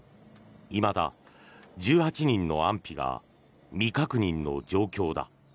いまだ１８人の安否が未確認の状況だ。